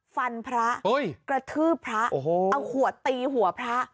พระกระทืบพระเอาขวดตีหัวพระ